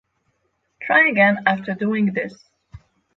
try again after doing this